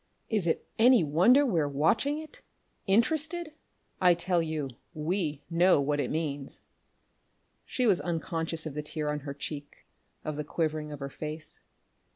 Is it any wonder we're watching it? Interested? I tell you we know what it means." She was unconscious of the tear on her cheek, of the quivering of her face.